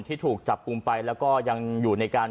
ที่ถูกจับกลุ่มไปแล้วก็ยังอยู่ในการ